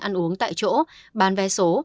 ăn uống tại chỗ bán vé số